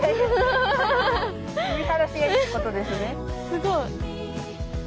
すごい。